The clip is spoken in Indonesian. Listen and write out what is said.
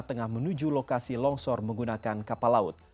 tengah menuju lokasi longsor menggunakan kapal laut